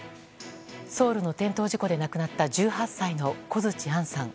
ソウルの転倒事故で亡くなった１８歳の小槌杏さん。